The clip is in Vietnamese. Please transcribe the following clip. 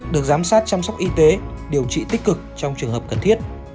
được giám sát chăm sóc y tế điều trị tích cực trong trường hợp cần thiết